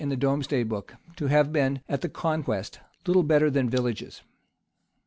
] The cities appear by domesday book to have been, at the conquest little better than villages.